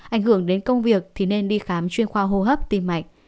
ảnh hưởng đến công việc thì nên đi khám chuyên khoa hô hấp tim mạnh